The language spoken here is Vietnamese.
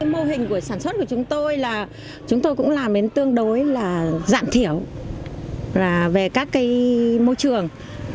mô hình của sản xuất của chúng tôi là chúng tôi cũng làm đến tương đối là giảm thiểu về các môi trường